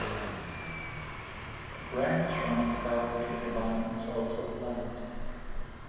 A branch running south to Ilam is also planned.